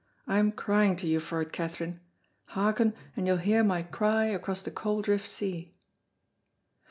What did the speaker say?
I'm crying to you for't, Kaytherine; hearken and you'll hear my cry across the cauldriff sea."